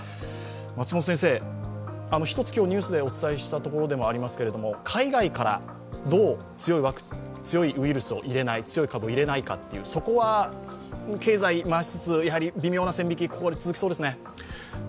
松本先生、今日、ニュースでお伝えしたところでもあるんですが海外からどう強いウイルスを入れない、強い株を入れないかというのはそこは経済を回しつつ、微妙な線引きがここで続きそうですね？